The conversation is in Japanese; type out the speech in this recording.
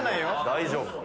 大丈夫か？